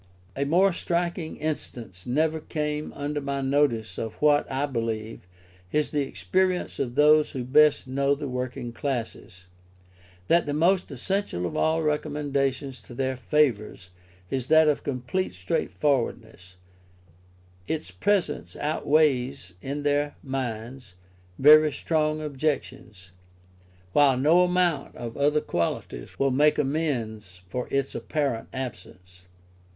A more striking instance never came under my notice of what, I believe, is the experience of those who best know the working classes, that the most essential of all recommendations to their favour is that of complete straightforwardness; its presence outweighs in their minds very strong objections, while no amount of other qualities will make amends for its apparent absence.